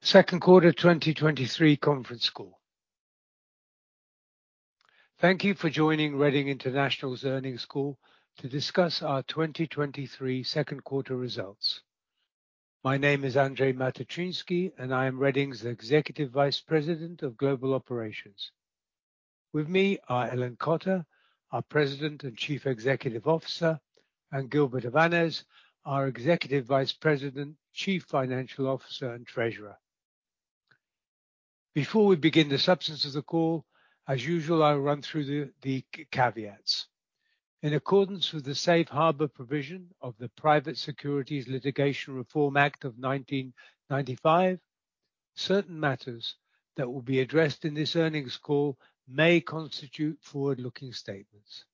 Second Quarter 2023 Conference Call. Thank you for joining Reading International's earnings call to discuss our 2023 second quarter results. My name is Andrzej Matyczynski, I am Reading's Executive Vice President of Global Operations. With me are Ellen Cotter, our President and Chief Executive Officer, and Gilbert Avanes, our Executive Vice President, Chief Financial Officer, and Treasurer. Before we begin the substance of the call, as usual, I'll run through the caveats. In accordance with the safe harbor provision of the Private Securities Litigation Reform Act of 1995, certain matters that will be addressed in this earnings call may constitute forward-looking statements.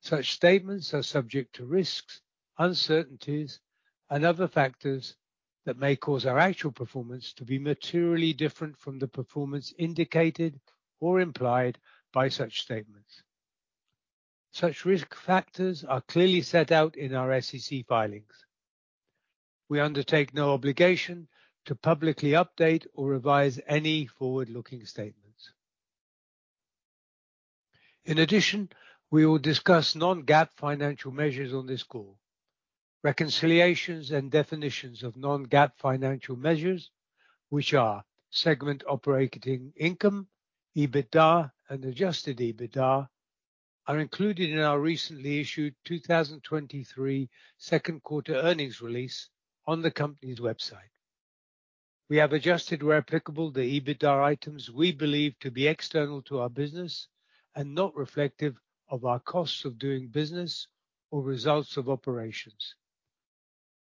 Such statements are subject to risks, uncertainties, and other factors that may cause our actual performance to be materially different from the performance indicated or implied by such statements. Such risk factors are clearly set out in our SEC filings. We undertake no obligation to publicly update or revise any forward-looking statements. In addition, we will discuss non-GAAP financial measures on this call. Reconciliations and definitions of non-GAAP financial measures, which are segment operating income, EBITDA, and Adjusted EBITDA, are included in our recently issued 2023 second quarter earnings release on the company's website. We have adjusted, where applicable, the EBITDA items we believe to be external to our business and not reflective of our costs of doing business or results of operations.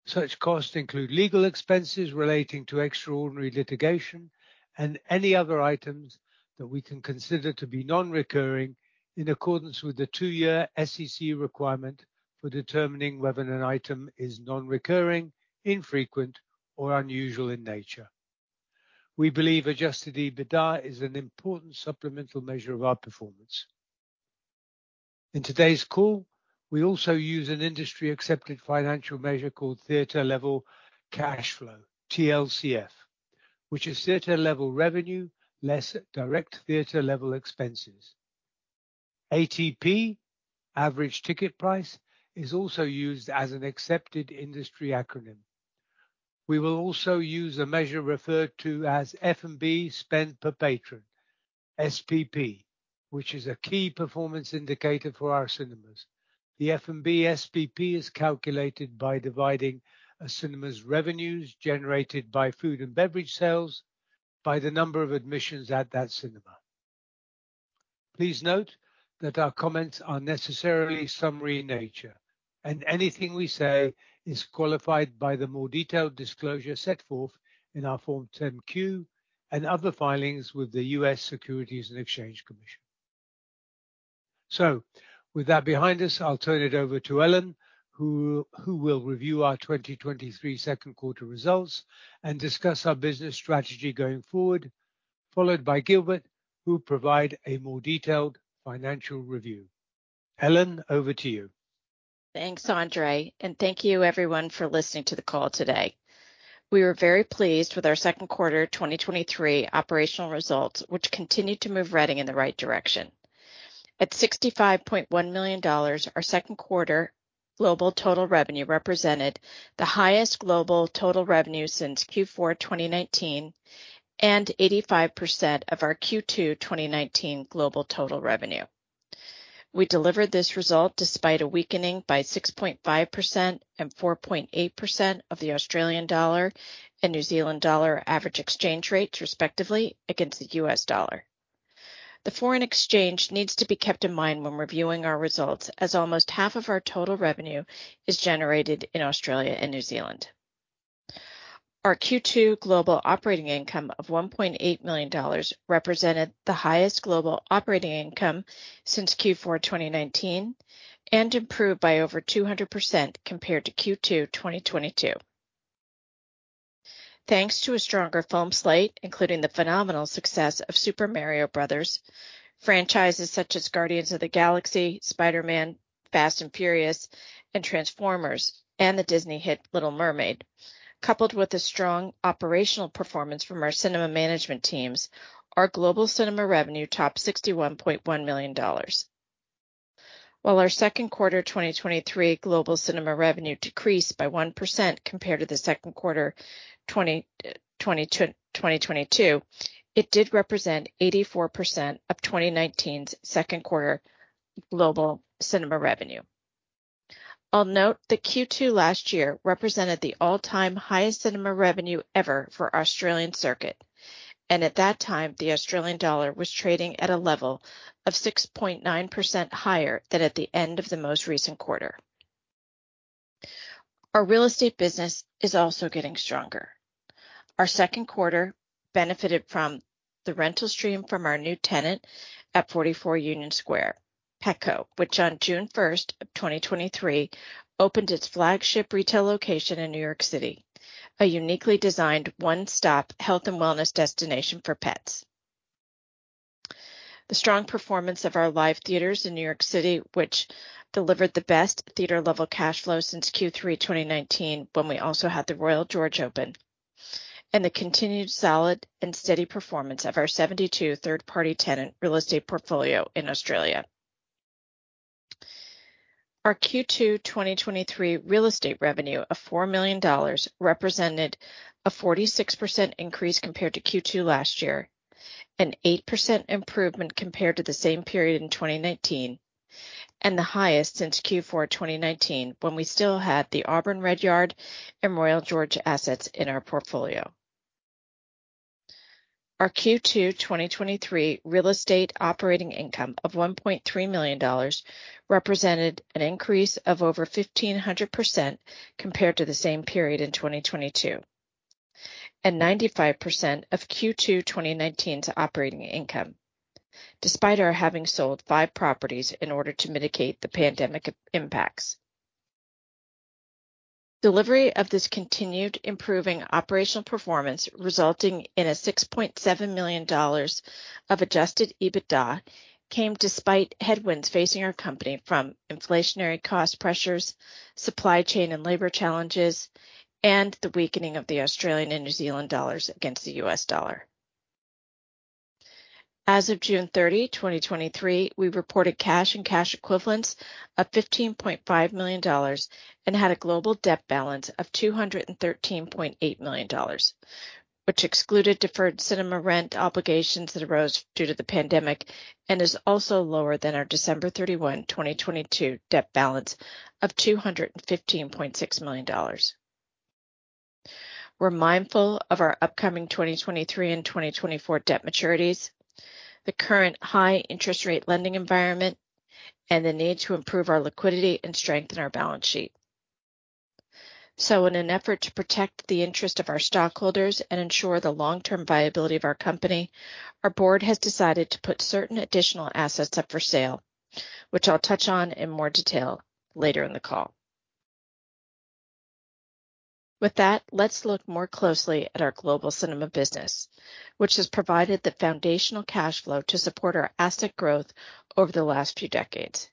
Such costs include legal expenses relating to extraordinary litigation and any other items that we can consider to be non-recurring in accordance with the 2-year SEC requirement for determining whether an item is non-recurring, infrequent, or unusual in nature. We believe Adjusted EBITDA is an important supplemental measure of our performance. In today's call, we also use an industry-accepted financial measure called theater level cash flow, TLCF, which is theater level revenue less direct theater level expenses. ATP, average ticket price, is also used as an accepted industry acronym. We will also use a measure referred to as F&B spend per patron, SPP, which is a key performance indicator for our cinemas. The F&B SPP is calculated by dividing a cinema's revenues generated by food and beverage sales by the number of admissions at that cinema. Please note that our comments are necessarily summary in nature. Anything we say is qualified by the more detailed disclosure set forth in our Form 10-Q and other filings with the U.S. Securities and Exchange Commission. With that behind us, I'll turn it over to Ellen, who will review our 2023 second quarter results and discuss our business strategy going forward, followed by Gilbert, who will provide a more detailed financial review. Ellen, over to you. Thanks, Andrzej, thank you everyone for listening to the call today. We were very pleased with our second quarter 2023 operational results, which continued to move Reading in the right direction. At $65.1 million, our second quarter global total revenue represented the highest global total revenue since Q4 2019 and 85% of our Q2 2019 global total revenue. We delivered this result despite a weakening by 6.5% and 4.8% of the Australian dollar and New Zealand dollar average exchange rates, respectively, against the US dollar. The foreign exchange needs to be kept in mind when reviewing our results, as almost half of our total revenue is generated in Australia and New Zealand. Our Q2 global operating income of $1.8 million represented the highest global operating income since Q4 2019 and improved by over 200% compared to Q2 2022. Thanks to a stronger film slate, including the phenomenal success of Super Mario Bros., franchises such as Guardians of the Galaxy, Spider-Man, Fast & Furious, and Transformers, and the Disney hit The Little Mermaid, coupled with a strong operational performance from our cinema management teams, our global cinema revenue topped $61.1 million. While our second quarter 2023 global cinema revenue decreased by 1% compared to the second quarter 2022, it did represent 84% of 2019's second quarter global cinema revenue. I'll note that Q2 last year represented the all-time highest cinema revenue ever for our Australian circuit, and at that time, the Australian dollar was trading at a level of 6.9% higher than at the end of the most recent quarter. Our real estate business is also getting stronger. Our second quarter benefited from the rental stream from our new tenant at 44 Union Square, Petco, which on June 1, 2023, opened its flagship retail location in New York City, a uniquely designed one-stop health and wellness destination for pets, the strong performance of our live theaters in New York City, which delivered the best theater level cash flow since Q3 2019, when we also had the Royal George open, and the continued solid and steady performance of our 72 third-party tenant real estate portfolio in Australia. Our Q2 2023 real estate revenue of $4 million represented a 46% increase compared to Q2 last year, an 8% improvement compared to the same period in 2019, and the highest since Q4 2019, when we still had the Auburn Redyard and Royal George assets in our portfolio. Our Q2 2023 real estate operating income of $1.3 million represented an increase of over 1,500% compared to the same period in 2022, and 95% of Q2 2019's operating income, despite our having sold 5 properties in order to mitigate the pandemic impacts. Delivery of this continued improving operational performance, resulting in a $6.7 million of Adjusted EBITDA, came despite headwinds facing our company from inflationary cost pressures, supply chain and labor challenges, and the weakening of the Australian dollar and New Zealand dollar against the US dollar. As of June 30, 2023, we reported cash and cash equivalents of $15.5 million and had a global debt balance of $213.8 million, which excluded deferred cinema rent obligations that arose due to the pandemic and is also lower than our December 31, 2022, debt balance of $215.6 million. We're mindful of our upcoming 2023 and 2024 debt maturities, the current high interest rate lending environment, and the need to improve our liquidity and strengthen our balance sheet. In an effort to protect the interests of our stockholders and ensure the long-term viability of our company, our board has decided to put certain additional assets up for sale, which I'll touch on in more detail later in the call. With that, let's look more closely at our global cinema business, which has provided the foundational cash flow to support our asset growth over the last few decades.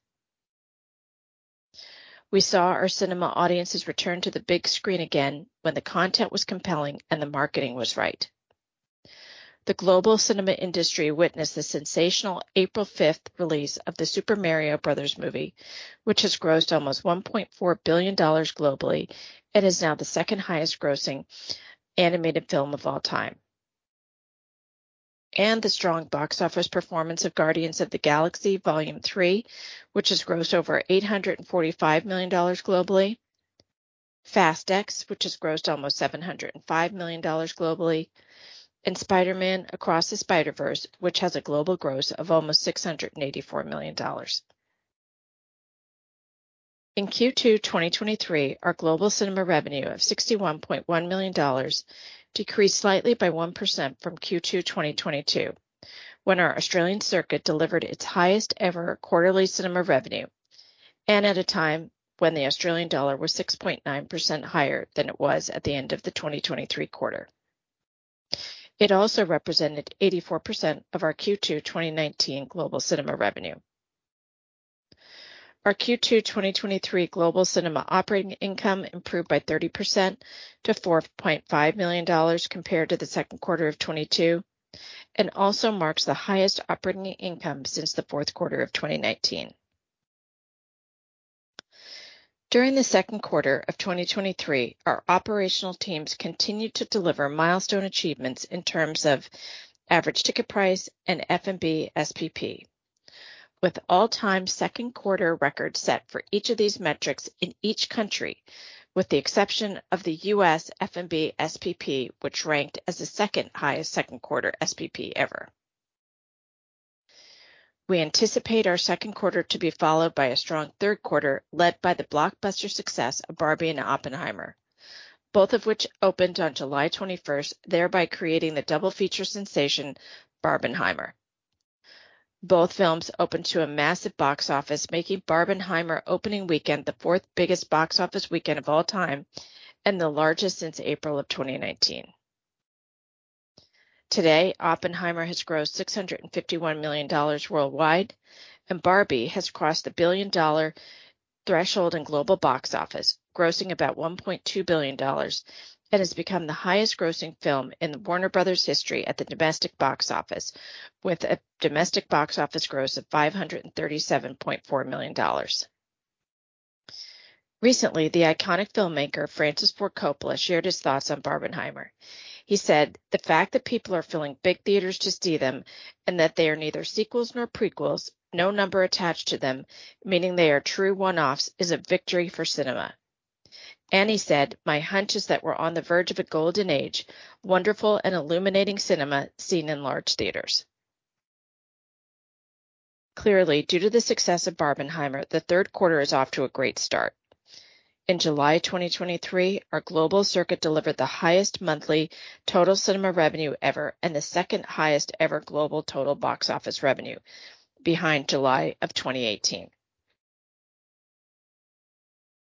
We saw our cinema audiences return to the big screen again when the content was compelling and the marketing was right. The global cinema industry witnessed the sensational April 5 release of The Super Mario Bros. Movie, which has grossed almost $1.4 billion globally and is now the second highest grossing animated film of all time. The strong box office performance of Guardians of the Galaxy Vol. 3, which has grossed over $845 million globally, Fast X, which has grossed almost $705 million globally. Spider-Man: Across the Spider-Verse, which has a global gross of almost $684 million. In Q2 2023, our global cinema revenue of $61.1 million decreased slightly by 1% from Q2 2022, when our Australian circuit delivered its highest ever quarterly cinema revenue, and at a time when the Australian dollar was 6.9% higher than it was at the end of the 2023 quarter. It also represented 84% of our Q2 2019 global cinema revenue. Our Q2 2023 global cinema operating income improved by 30% to $4.5 million compared to the second quarter of 2022, also marks the highest operating income since the fourth quarter of 2019. During the second quarter of 2023, our operational teams continued to deliver milestone achievements in terms of average ticket price and F&B SPP, with all-time second quarter records set for each of these metrics in each country, with the exception of the US F&B SPP, which ranked as the second highest second quarter SPP ever. We anticipate our second quarter to be followed by a strong third quarter, led by the blockbuster success of Barbie and Oppenheimer, both of which opened on July 21st, thereby creating the double feature sensation Barbenheimer. Both films opened to a massive box office, making Barbenheimer opening weekend the fourth biggest box office weekend of all time, and the largest since April of 2019. Today, Oppenheimer has grossed $651 million worldwide, and Barbie has crossed the billion-dollar threshold in global box office, grossing about $1.2 billion and has become the highest grossing film in the Warner Bros history at the domestic box office, with a domestic box office gross of $537.4 million. Recently, the iconic filmmaker, Francis Ford Coppola, shared his thoughts on Barbenheimer. He said, "The fact that people are filling big theaters to see them and that they are neither sequels nor prequels, no number attached to them, meaning they are true one-offs, is a victory for cinema." He said, "My hunch is that we're on the verge of a golden age, wonderful and illuminating cinema seen in large theaters." Clearly, due to the success of Barbenheimer, the third quarter is off to a great start. In July 2023, our global circuit delivered the highest monthly total cinema revenue ever and the second highest ever global total box office revenue behind July 2018.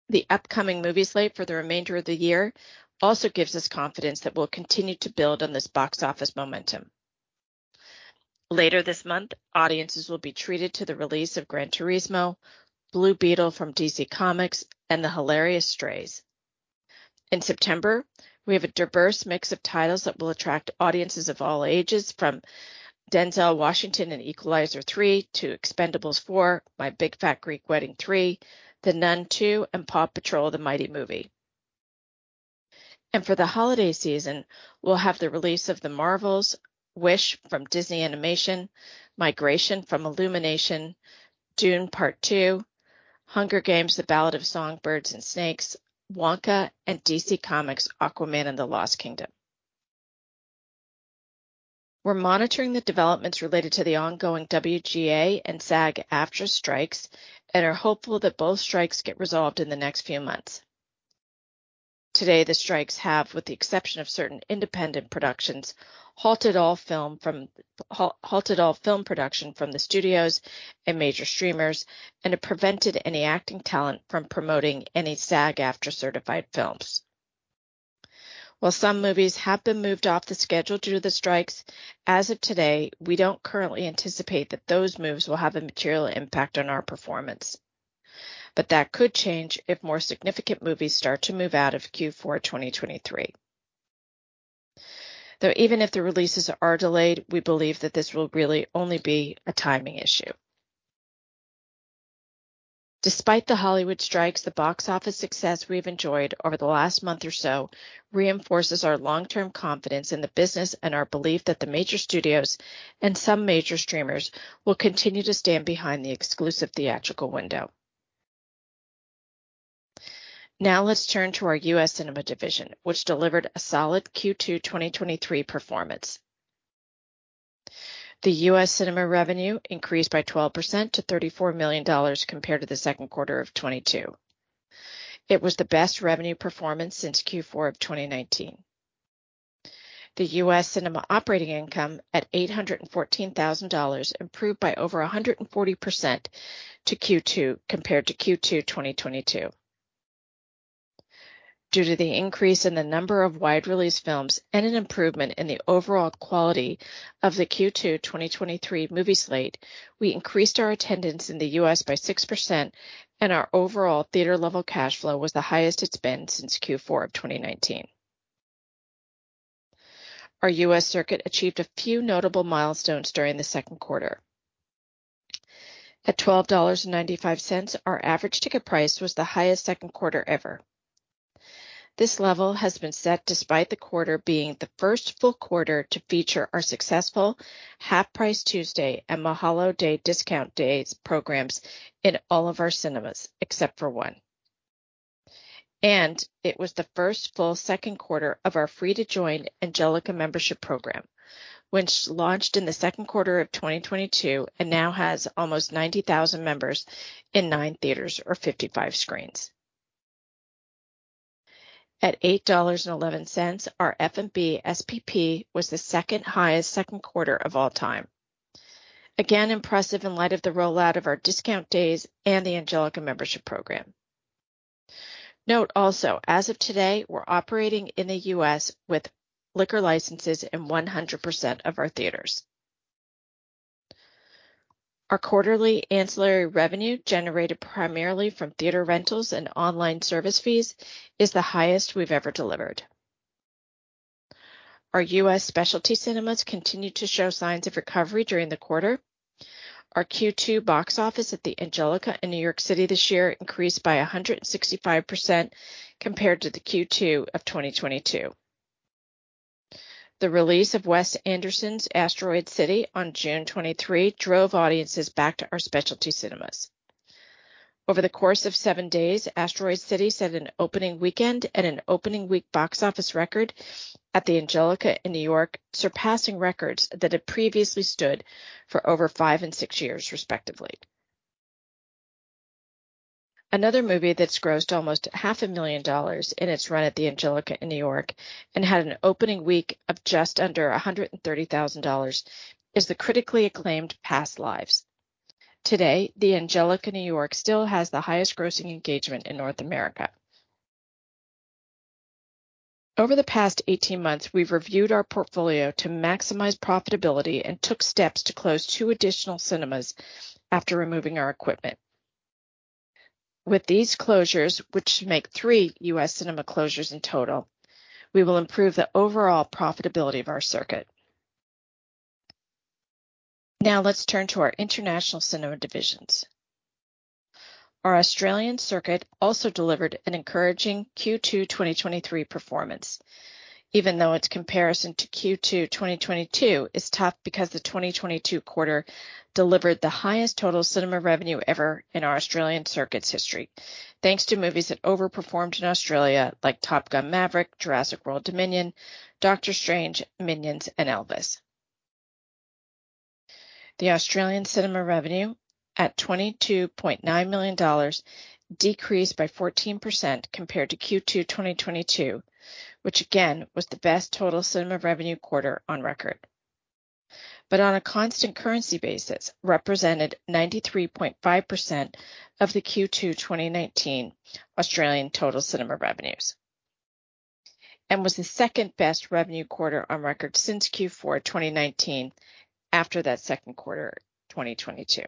The upcoming movie slate for the remainder of the year also gives us confidence that we'll continue to build on this box office momentum. Later this month, audiences will be treated to the release of Gran Turismo, Blue Beetle from DC Comics, and the hilarious Strays. In September, we have a diverse mix of titles that will attract audiences of all ages, from Denzel Washington in The Equalizer 3 to Expend4bles, My Big Fat Greek Wedding 3, The Nun II, and PAW Patrol: The Mighty Movie. For the holiday season, we'll have the release of The Marvels, Wish from Disney Animation, Migration from Illumination, Dune: Part Two, The Hunger Games: The Ballad of Songbirds and Snakes, Wonka, and DC Comics' Aquaman and the Lost Kingdom. We're monitoring the developments related to the ongoing WGA and SAG-AFTRA strikes and are hopeful that both strikes get resolved in the next few months. Today, the strikes have, with the exception of certain independent productions, halted all film production from the studios and major streamers, and it prevented any acting talent from promoting any SAG-AFTRA certified films. While some movies have been moved off the schedule due to the strikes, as of today, we don't currently anticipate that those moves will have a material impact on our performance, but that could change if more significant movies start to move out of Q4 2023. Even if the releases are delayed, we believe that this will really only be a timing issue. Despite the Hollywood strikes, the box office success we've enjoyed over the last month or so reinforces our long-term confidence in the business and our belief that the major studios and some major streamers will continue to stand behind the exclusive theatrical window. Let's turn to our U.S. Cinema division, which delivered a solid Q2 2023 performance. The U.S. Cinema revenue increased by 12% to $34 million compared to the second quarter of 2022. It was the best revenue performance since Q4 of 2019. The U.S. Cinema operating income at $814,000, improved by over 140% to Q2 compared to Q2 2022. Due to the increase in the number of wide-release films and an improvement in the overall quality of the Q2 2023 movie slate, we increased our attendance in the U.S. by 6%, and our overall theater-level cash flow was the highest it's been since Q4 of 2019. Our U.S. circuit achieved a few notable milestones during the second quarter. At $12.95, our average ticket price was the highest second quarter ever. This level has been set despite the quarter being the first full quarter to feature our successful Half-Price Tuesday and Mahalo Day Discount Days programs in all of our cinemas, except for one. It was the first full second quarter of our free-to-join Angelika Membership Program, which launched in the second quarter of 2022 and now has almost 90,000 members in nine theaters or 55 screens. At $8.11, our F&B SPP was the second highest second quarter of all time. Again, impressive in light of the rollout of our discount days and the Angelika Membership Program. Note also, as of today, we're operating in the U.S. with liquor licenses in 100% of our theaters. Our quarterly ancillary revenue, generated primarily from theater rentals and online service fees, is the highest we've ever delivered. Our U.S. specialty cinemas continued to show signs of recovery during the quarter. Our Q2 box office at the Angelika in New York City this year increased by 165% compared to the Q2 of 2022. The release of Wes Anderson's Asteroid City on June 23 drove audiences back to our specialty cinemas. Over the course of 7 days, Asteroid City set an opening weekend and an opening week box office record at the Angelika in New York, surpassing records that had previously stood for over 5 and 6 years, respectively. Another movie that's grossed almost $500,000 in its run at the Angelika in New York and had an opening week of just under $130,000 is the critically acclaimed Past Lives. Today, the Angelika in New York still has the highest grossing engagement North America. Over the past 18 months, we've reviewed our portfolio to maximize profitability and took steps to close 2 additional cinemas after removing our equipment. With these closures, which make 3 U.S. cinema closures in total, we will improve the overall profitability of our circuit. Let's turn to our international cinema divisions. Our Australian circuit also delivered an encouraging Q2 2023 performance, even though its comparison to Q2 2022 is tough because the 2022 quarter delivered the highest total cinema revenue ever in our Australian circuit's history, thanks to movies that overperformed in Australia, like Top Gun: Maverick, Jurassic World Dominion, Doctor Strange, Minions, and Elvis. The Australian cinema revenue, at $22.9 million, decreased by 14% compared to Q2 2022, which again was the best total cinema revenue quarter on record. On a constant currency basis, represented 93.5% of the Q2 2019 Australian total cinema revenues, and was the second-best revenue quarter on record since Q4 2019, after that second quarter 2022.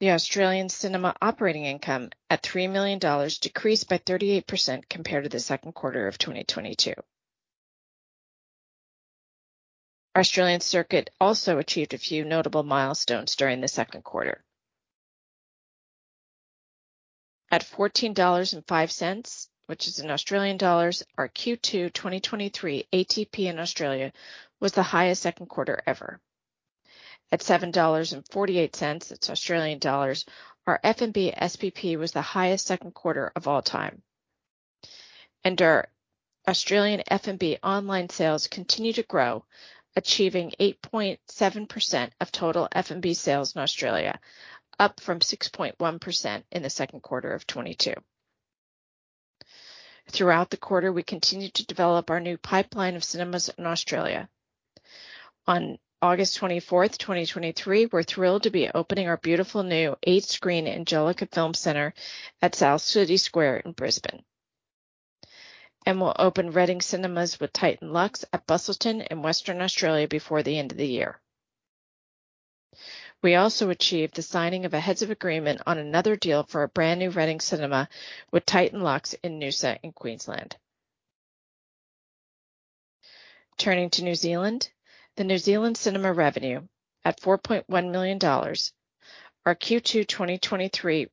The Australian cinema operating income at 3 million dollars decreased by 38% compared to the second quarter of 2022. Australian circuit also achieved a few notable milestones during the second quarter. At 14.05 dollars, which is in Australian dollars, our Q2 2023 ATP in Australia was the highest second quarter ever. At 7.48 dollars, it's Australian dollars, our F&B SPP was the highest second quarter of all time. Our Australian F&B online sales continued to grow, achieving 8.7% of total F&B sales in Australia, up from 6.1% in the second quarter of 2020. Throughout the quarter, we continued to develop our new pipeline of cinemas in Australia. On August 24, 2023, we're thrilled to be opening our beautiful new eight-screen Angelika Film Centre at South City Square in Brisbane. We'll open Reading Cinemas with Titan Luxe at Busselton in Western Australia before the end of the year. We also achieved the signing of a heads of agreement on another deal for a brand new Reading Cinema with Titan Luxe in Noosa, in Queensland. Turning to New Zealand, the New Zealand cinema revenue at 4.1 million dollars, our Q2 2023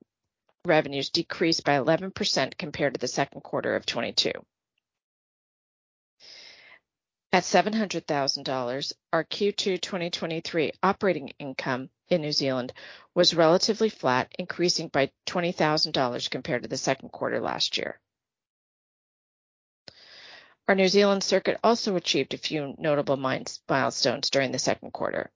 revenues decreased by 11% compared to the second quarter of 2020. At 700,000 dollars, our Q2 2023 operating income in New Zealand was relatively flat, increasing by 20,000 dollars compared to the second quarter last year. Our New Zealand circuit also achieved a few notable milestones during the second quarter.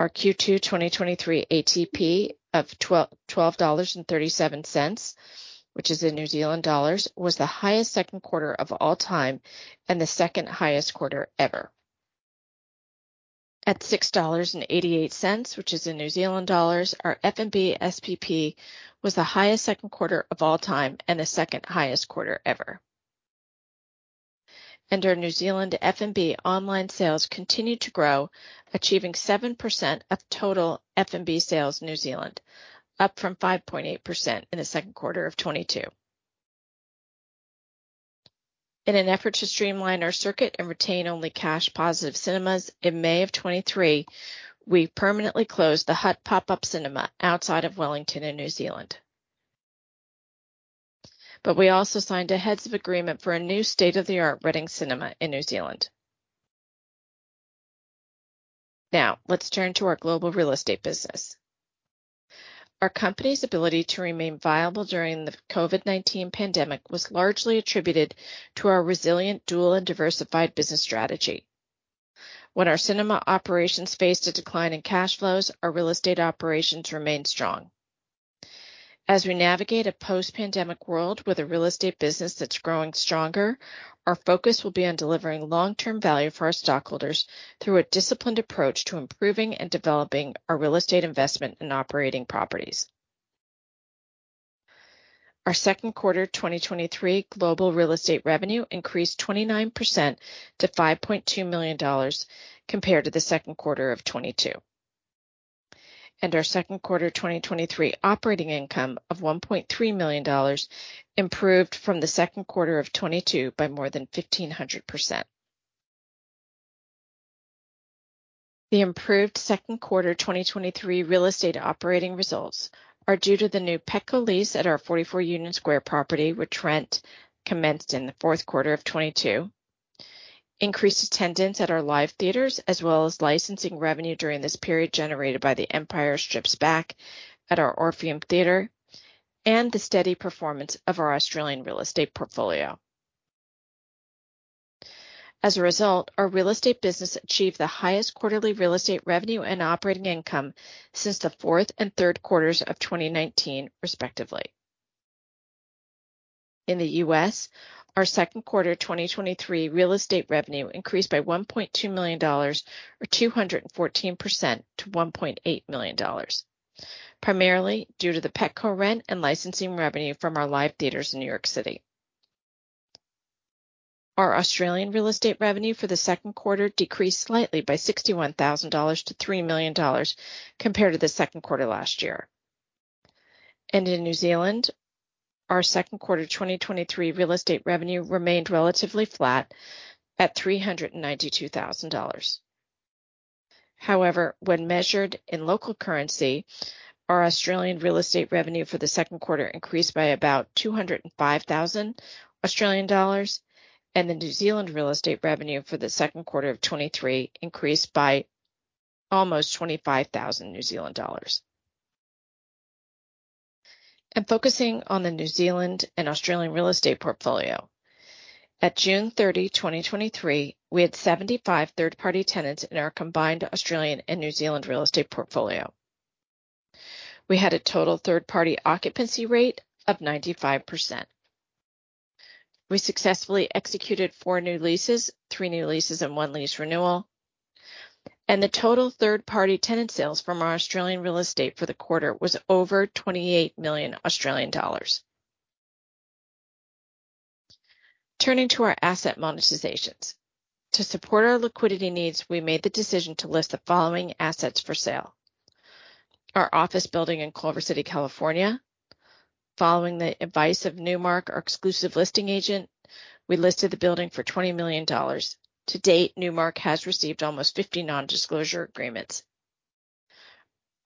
Our Q2 2023 ATP of NZD 12.37, which is in New Zealand dollars, was the highest second quarter of all time and the second highest quarter ever. At NZD 6.88, which is in New Zealand dollars, our F&B SPP was the highest second quarter of all time and the second highest quarter ever. Our New Zealand F&B online sales continued to grow, achieving 7% of total F&B sales in New Zealand, up from 5.8% in the second quarter of 2020. In an effort to streamline our circuit and retain only cash-positive cinemas, in May of 2023, we permanently closed the Hutt Pop-up Cinema outside of Wellington in New Zealand. We also signed a heads of agreement for a new state-of-the-art Reading Cinema in New Zealand. Now, let's turn to our global real estate business. Our company's ability to remain viable during the COVID-19 pandemic was largely attributed to our resilient dual and diversified business strategy. When our cinema operations faced a decline in cash flows, our real estate operations remained strong. As we navigate a post-pandemic world with a real estate business that's growing stronger, our focus will be on delivering long-term value for our stockholders through a disciplined approach to improving and developing our real estate investment in operating properties. Our second quarter 2023 global real estate revenue increased 29% to $5.2 million compared to the second quarter of 2020. Our second quarter 2023 operating income of $1.3 million improved from the second quarter of 2022 by more than 1,500%. The improved second quarter 2023 real estate operating results are due to the new Petco lease at our 44 Union Square property, which rent commenced in the fourth quarter of 2022. Increased attendance at our live theaters, as well as licensing revenue during this period generated by The Empire Strikes Back at our Orpheum Theater, and the steady performance of our Australian real estate portfolio. As a result, our real estate business achieved the highest quarterly real estate revenue and operating income since the fourth and third quarters of 2019, respectively. In the U.S., our second quarter 2023 real estate revenue increased by $1.2 million or 214% to $1.8 million, primarily due to the Petco rent and licensing revenue from our live theaters in New York City. Our Australian real estate revenue for the second quarter decreased slightly by $61,000–$3 million compared to the second quarter last year. In New Zealand, our second quarter 2023 real estate revenue remained relatively flat at 392,000 dollars. However, when measured in local currency, our Australian real estate revenue for the second quarter increased by about 205,000 Australian dollars, and the New Zealand real estate revenue for the second quarter of 2023 increased by almost 25,000 New Zealand dollars. Focusing on the New Zealand and Australian real estate portfolio, at June 30, 2023, we had 75 third-party tenants in our combined Australian and New Zealand real estate portfolio. We had a total third-party occupancy rate of 95%. We successfully executed 4 new leases, 3 new leases, and 1 lease renewal. The total third-party tenant sales from our Australian real estate for the quarter was over 28 million Australian dollars. Turning to our asset monetizations. To support our liquidity needs, we made the decision to list the following assets for sale: Our office building in Culver City, California. Following the advice of Newmark, our exclusive listing agent, we listed the building for $20 million. To date, Newmark has received almost 50 non-disclosure agreements.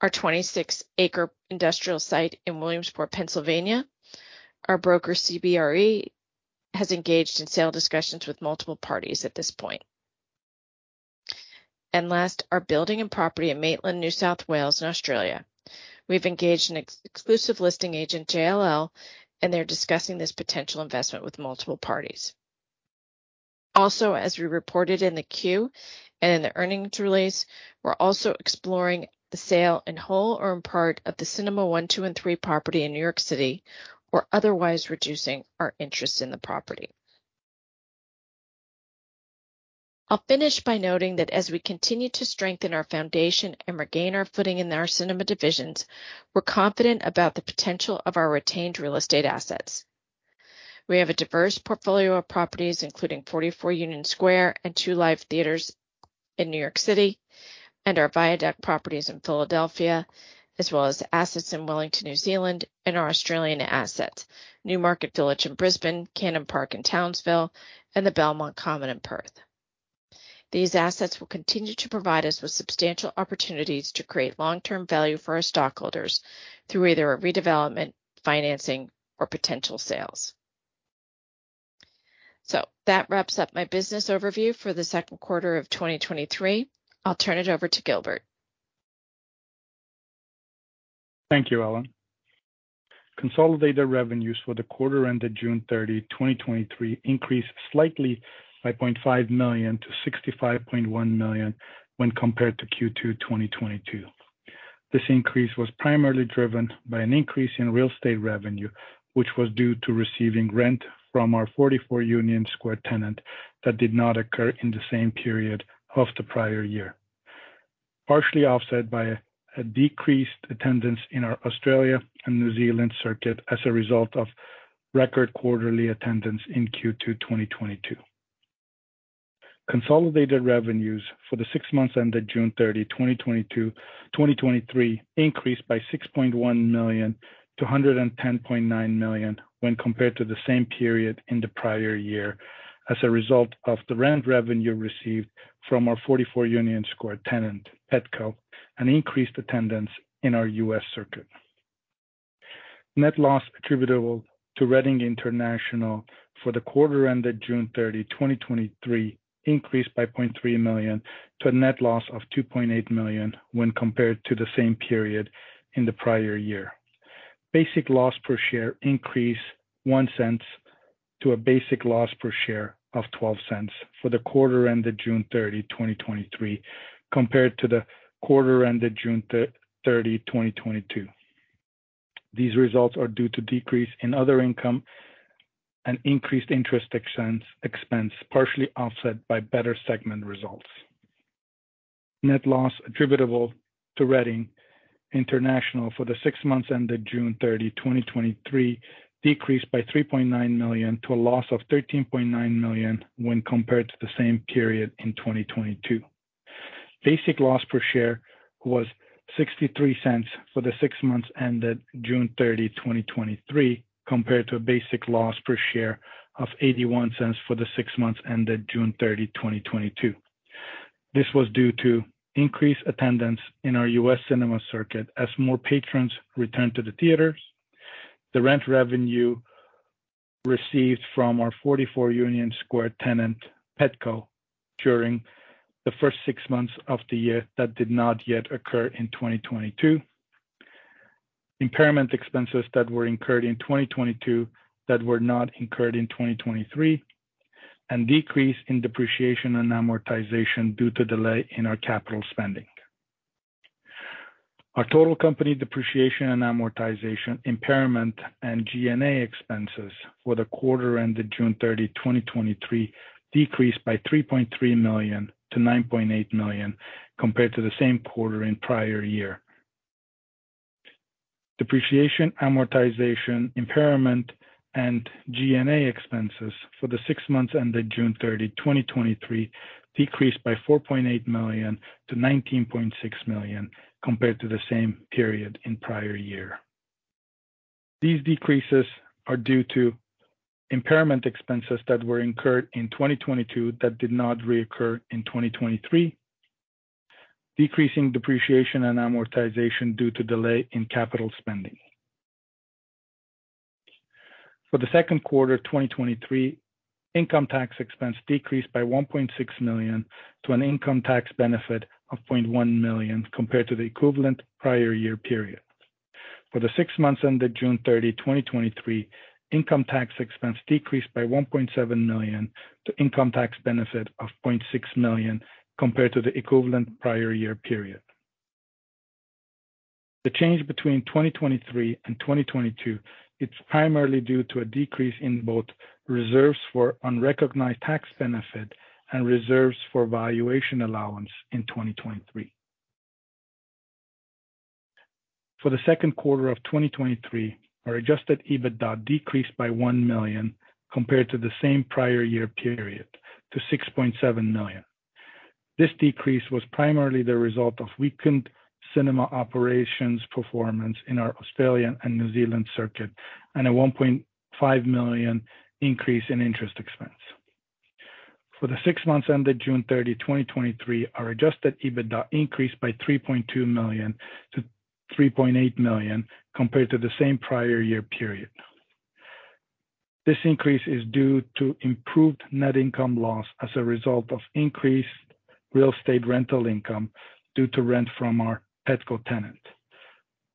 Our 26-acre industrial site in Williamsport, Pennsylvania. Our broker, CBRE, has engaged in sale discussions with multiple parties at this point. Last, our building and property in Maitland, New South Wales in Australia. We've engaged an exclusive listing agent, JLL, and they're discussing this potential investment with multiple parties. As we reported in the Q and in the earnings release, we're also exploring the sale in whole or in part of the Cinema 1, 2 & 3 property in New York City or otherwise reducing our interest in the property. I'll finish by noting that as we continue to strengthen our foundation and regain our footing in our cinema divisions, we're confident about the potential of our retained real estate assets. We have a diverse portfolio of properties, including Forty Four Union Square and two live theaters in New York City, and our Viaduct properties in Philadelphia, as well as assets in Wellington, New Zealand, and our Australian assets, Newmarket Village in Brisbane, Cannon Park in Townsville, and the Belmont Common in Perth. These assets will continue to provide us with substantial opportunities to create long-term value for our stockholders through either a redevelopment, financing, or potential sales. That wraps up my business overview for the second quarter of 2023. I'll turn it over to Gilbert. Thank you, Ellen. Consolidated revenues for the quarter ended June 30, 2023 increased slightly by $0.5 million–$65.1 million when compared to Q2 2022. This increase was primarily driven by an increase in real estate revenue, which was due to receiving rent from our 44 Union Square tenant that did not occur in the same period of the prior year. Partially offset by a decreased attendance in our Australia and New Zealand circuit as a result of record quarterly attendance in Q2 2022. Consolidated revenues for the six months ended June 30, 2023 increased by $6.1 million–$110.9 million when compared to the same period in the prior year as a result of the rent revenue received from our 44 Union Square tenant, Petco, and increased attendance in our U.S. circuit. Net loss attributable to Reading International for the quarter ended June 30, 2023 increased by $0.3 million to a net loss of $2.8 million when compared to the same period in the prior year. Basic loss per share increased $0.01 to a basic loss per share of $0.12 for the quarter ended June 30, 2023, compared to the quarter ended June 30, 2022. These results are due to decrease in other income and increased interest expense partially offset by better segment results. Net loss attributable to Reading International for the six months ended June 30, 2023, decreased by $3.9 million to a loss of $13.9 million when compared to the same period in 2022. Basic loss per share was $0.63 for the six months ended June 30, 2023, compared to a basic loss per share of $0.81 for the six months ended June 30, 2022. This was due to increased attendance in our U.S. cinema circuit as more patrons returned to the theaters. The rent revenue received from our Forty Four Union Square tenant, Petco, during the first six months of the year, that did not yet occur in 2022. Impairment expenses that were incurred in 2022, that were not incurred in 2023, and decrease in depreciation and amortization due to delay in our capital spending. Our total company depreciation and amortization, impairment, and G&A expenses for the quarter ended June 30, 2023, decreased by $3.3 million–$9.8 million, compared to the same quarter in prior year. Depreciation, amortization, impairment, and G&A expenses for the six months ended June 30, 2023, decreased by $4.8 million–$19.6 million, compared to the same period in prior year. These decreases are due to impairment expenses that were incurred in 2022 that did not reoccur in 2023. Decreasing depreciation and amortization due to delay in capital spending. For the second quarter of 2023, income tax expense decreased by $1.6 million to an income tax benefit of $0.1 million compared to the equivalent prior year period. For the six months ended June 30, 2023, income tax expense decreased by $1.7 million to income tax benefit of $0.6 million compared to the equivalent prior year period. The change between 2023 and 2022, it's primarily due to a decrease in both reserves for unrecognized tax benefit and reserves for valuation allowance in 2023. For the second quarter of 2023, our Adjusted EBITDA decreased by $1 million compared to the same prior year period, to $6.7 million. This decrease was primarily the result of weakened cinema operations performance in our Australian and New Zealand circuit, and a $1.5 million increase in interest expense. For the 6 months ended June 30, 2023, our Adjusted EBITDA increased by $3.2 million–$3.8 million compared to the same prior year period. This increase is due to improved net income loss as a result of increased real estate rental income due to rent from our Petco tenant,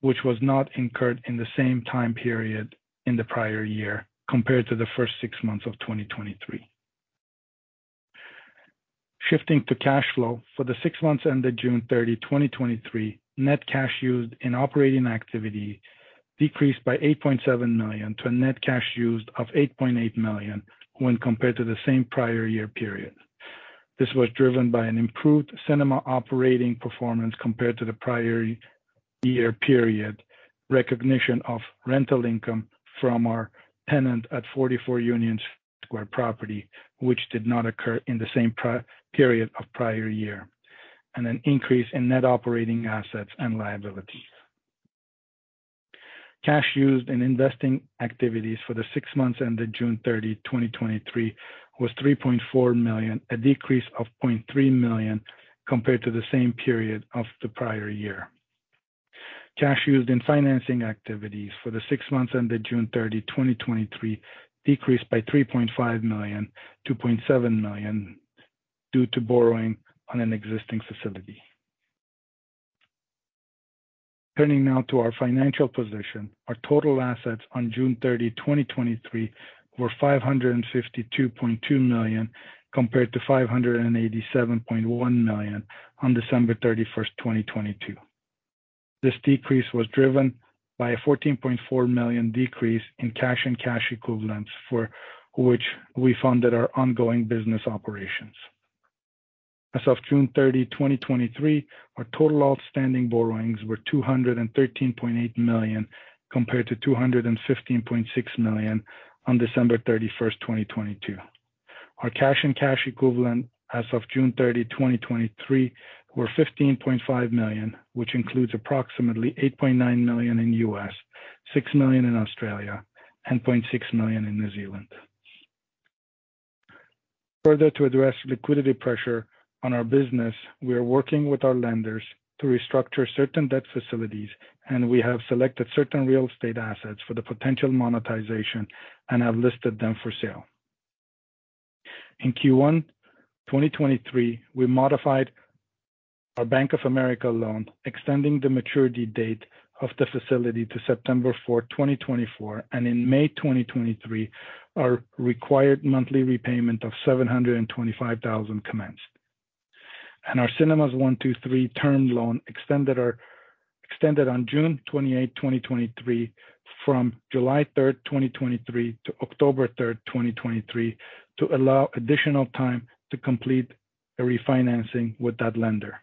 which was not incurred in the same time period in the prior year compared to the first 6 months of 2023. Shifting to cash flow, for the 6 months ended June 30, 2023, net cash used in operating activity decreased by $8.7 million to a net cash used of $8.8 million when compared to the same prior year period. This was driven by an improved cinema operating performance compared to the prior year period, recognition of rental income from our tenant at 44 Union Square property, which did not occur in the same period of prior year, and an increase in net operating assets and liabilities. Cash used in investing activities for the six months ended June 30, 2023, was $3.4 million, a decrease of $0.3 million compared to the same period of the prior year. Cash used in financing activities for the six months ended June 30, 2023, decreased by $3.5 million–$0.7 million due to borrowing on an existing facility. Turning now to our financial position, our total assets on June 30, 2023, were $552.2 million, compared to $587.1 million on December 31, 2022. This decrease was driven by a $14.4 million decrease in cash and cash equivalents for which we funded our ongoing business operations. As of June 30, 2023, our total outstanding borrowings were $213.8 million, compared to $215.6 million on December 31, 2022. Our cash and cash equivalent as of June 30, 2023, were $15.5 million, which includes approximately $8.9 million in U.S., 6 million in Australia, and 0.6 million in New Zealand. Further to address liquidity pressure on our business, we are working with our lenders to restructure certain debt facilities, and we have selected certain real estate assets for the potential monetization and have listed them for sale. In Q1 2023, we modified our Bank of America loan, extending the maturity date of the facility to September 4, 2024, and in May 2023, our required monthly repayment of $725,000 commenced. Our Cinemas 1, 2 & 3 term loan extended on June 28, 2023, from July 3, 2023, to October 3, 2023, to allow additional time to complete a refinancing with that lender.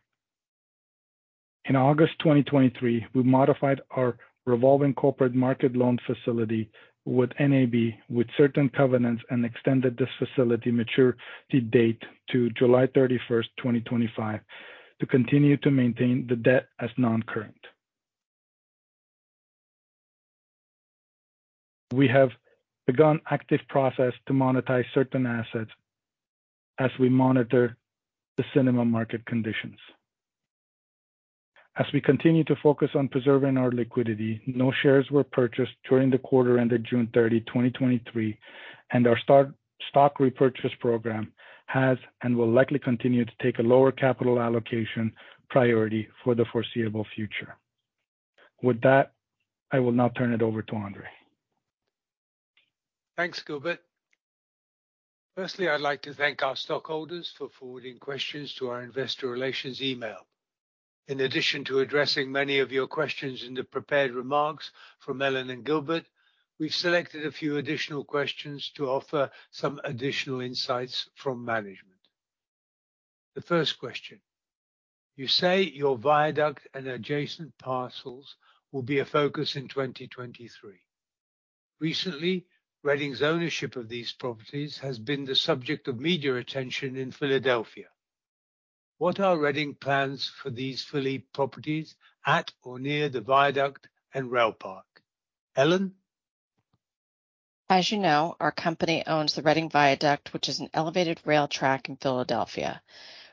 In August 2023, we modified our revolving corporate market loan facility with NAB, with certain covenants, and extended this facility maturity date to July 31, 2025, to continue to maintain the debt as non-current. We have begun active process to monetize certain assets as we monitor the cinema market conditions. As we continue to focus on preserving our liquidity, no shares were purchased during the quarter ended June 30, 2023, and our stock repurchase program has, and will likely continue to take a lower capital allocation priority for the foreseeable future. With that, I will now turn it over to Andrzej. Thanks, Gilbert. Firstly, I'd like to thank our stockholders for forwarding questions to our investor relations email. In addition to addressing many of your questions in the prepared remarks from Ellen and Gilbert, we've selected a few additional questions to offer some additional insights from management. The first question: You say your Viaduct and adjacent parcels will be a focus in 2023. Recently, Reading's ownership of these properties has been the subject of media attention in Philadelphia. What are Reading plans for these Philly properties at or near the Viaduct and rail park? Ellen? As you know, our company owns the Reading Viaduct, which is an elevated rail track in Philadelphia,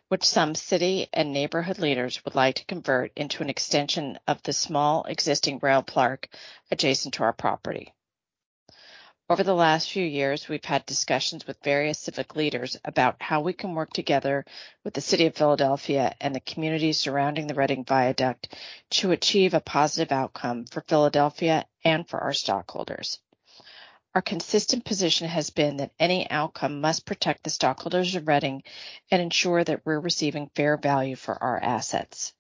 which some city and neighborhood leaders would like to convert into an extension of the small existing rail park adjacent to our property. Over the last few years, we've had discussions with various civic leaders about how we can work together with the City of Philadelphia and the communities surrounding the Reading Viaduct to achieve a positive outcome for Philadelphia and for our stockholders. Our consistent position has been that any outcome must protect the stockholders of Reading and ensure that we're receiving fair value for our assets.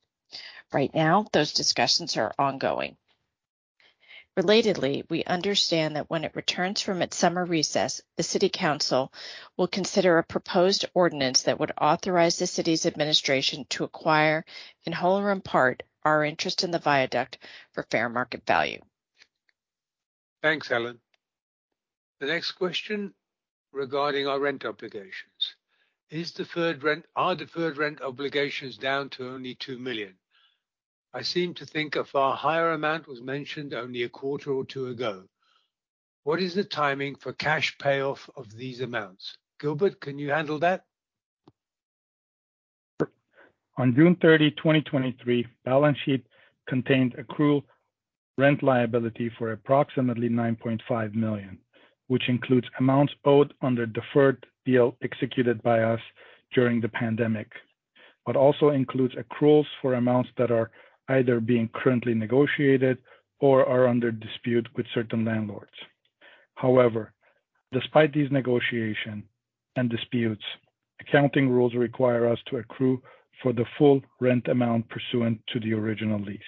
Right now, those discussions are ongoing. Relatedly, we understand that when it returns from its summer recess, the City Council will consider a proposed ordinance that would authorize the city's administration to acquire, in whole or in part, our interest in the Viaduct for fair market value. Thanks, Ellen. The next question regarding our rent obligations: Are deferred rent obligations down to only $2 million? I seem to think a far higher amount was mentioned only a quarter or two ago. What is the timing for cash payoff of these amounts? Gilbert, can you handle that? On June 30, 2023, balance sheet contained accrual rent liability for approximately $9.5 million, which includes amounts owed under deferred deal executed by us during the pandemic, but also includes accruals for amounts that are either being currently negotiated or are under dispute with certain landlords. However, despite these negotiation and disputes, accounting rules require us to accrue for the full rent amount pursuant to the original lease.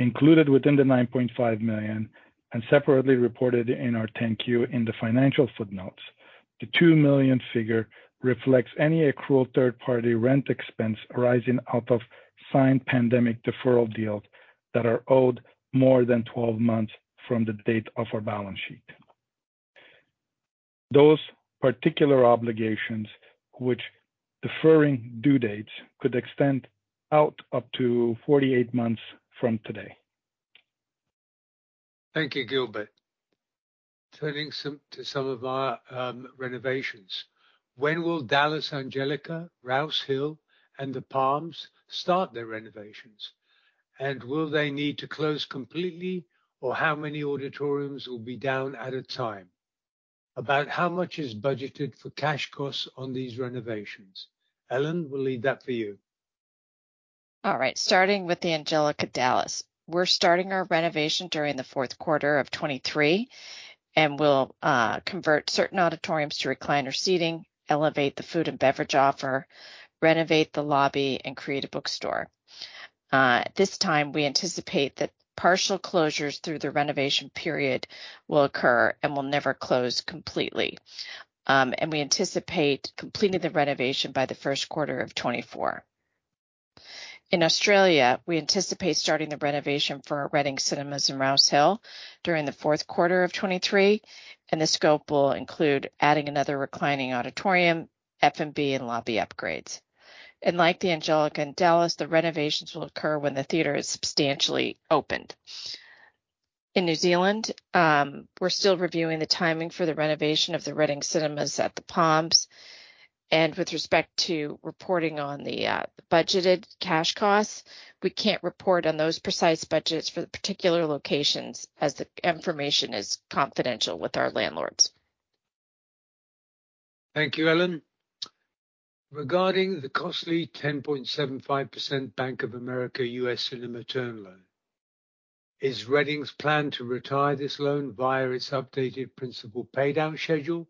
Included within the $9.5 million, and separately reported in our Form 10-Q in the financial footnotes, the $2 million figure reflects any accrued third-party rent expense arising out of signed pandemic deferral deals that are owed more than 12 months from the date of our balance sheet. Those particular obligations, which deferring due dates could extend out up to 48 months from today. Thank you, Gilbert. Turning some-- to some of our renovations: When will Dallas Angelika, Rouse Hill, and The Palms start their renovations? Will they need to close completely, or how many auditoriums will be down at a time? About how much is budgeted for cash costs on these renovations? Ellen, we'll leave that for you. All right. Starting with the Angelika Dallas. We're starting our renovation during the fourth quarter of 2023, and we'll convert certain auditoriums to recliner seating, elevate the food and beverage offer, renovate the lobby, and create a bookstore. At this time, we anticipate that partial closures through the renovation period will occur and will never close completely. We anticipate completing the renovation by the first quarter of 2024. In Australia, we anticipate starting the renovation for our Reading Cinemas in Rouse Hill during the fourth quarter of 2023, and the scope will include adding another reclining auditorium, F&B, and lobby upgrades. Like the Angelika in Dallas, the renovations will occur when the theater is substantially opened. In New Zealand, we're still reviewing the timing for the renovation of the Reading Cinemas at The Palms. With respect to reporting on the budgeted cash costs, we can't report on those precise budgets for the particular locations, as the information is confidential with our landlords. Thank you, Ellen. Regarding the costly 10.75% Bank of America U.S. cinema term loan, is Reading's plan to retire this loan via its updated principal paydown schedule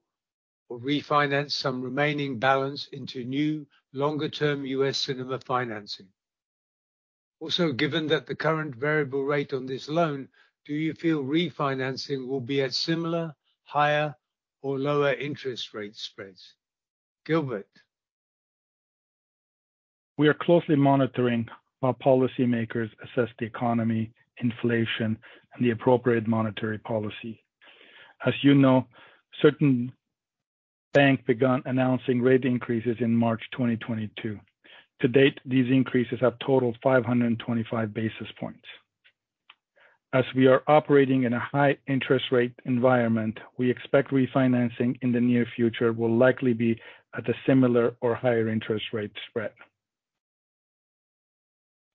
or refinance some remaining balance into new, longer-term U.S. cinema financing? Also, given that the current variable rate on this loan, do you feel refinancing will be at similar, higher, or lower interest rate spreads? Gilbert? We are closely monitoring while policymakers assess the economy, inflation, and the appropriate monetary policy. As you know, certain bank begun announcing rate increases in March 2022. To date, these increases have totaled 525 basis points. As we are operating in a high interest rate environment, we expect refinancing in the near future will likely be at a similar or higher interest rate spread.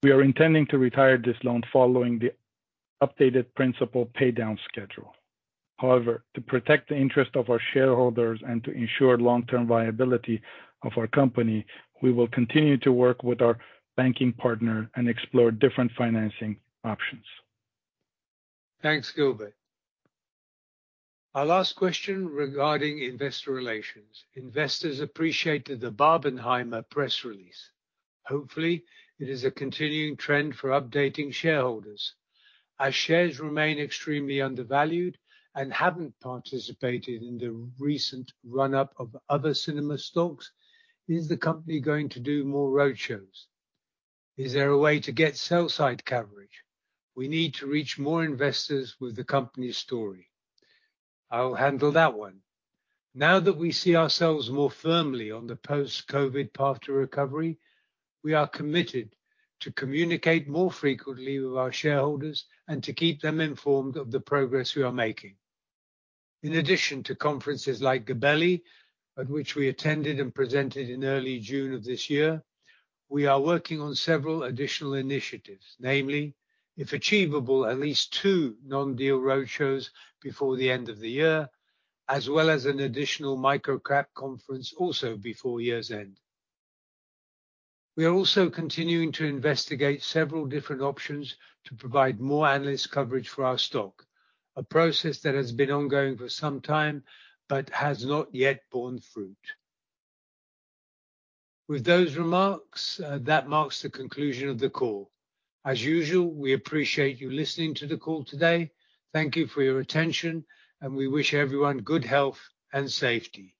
We are intending to retire this loan following the updated principal paydown schedule. However, to protect the interest of our shareholders and to ensure long-term viability of our company, we will continue to work with our banking partner and explore different financing options. Thanks, Gilbert. Our last question regarding investor relations: Investors appreciated the Barbenheimer press release. Hopefully, it is a continuing trend for updating shareholders. Our shares remain extremely undervalued and haven't participated in the recent run-up of other cinema stocks. Is the company going to do more roadshows? Is there a way to get sell side coverage? We need to reach more investors with the company's story. I will handle that one. Now that we see ourselves more firmly on the post-COVID path to recovery, we are committed to communicate more frequently with our shareholders and to keep them informed of the progress we are making. In addition to conferences like Gabelli, at which we attended and presented in early June of this year, we are working on several additional initiatives, namely, if achievable, at least 2 non-deal roadshows before the end of the year, as well as an additional micro-cap conference, also before year's end. We are also continuing to investigate several different options to provide more analyst coverage for our stock, a process that has been ongoing for some time but has not yet borne fruit. With those remarks, that marks the conclusion of the call. As usual, we appreciate you listening to the call today. Thank you for your attention, and we wish everyone good health and safety.